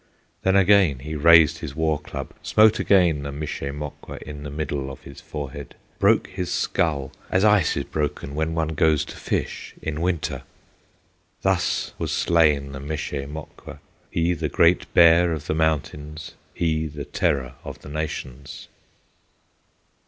Then again he raised his war club, Smote again the Mishe Mokwa In the middle of his forehead, Broke his skull, as ice is broken When one goes to fish in Winter. Thus was slain the Mishe Mokwa, He the Great Bear of the mountains, He the terror of the nations.